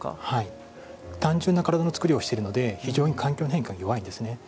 単純な体の作りをしているので非常に環境の変化に弱いんですね。